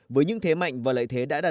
được phát triển vào đất nước